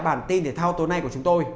bản tin thể thao tối nay của chúng tôi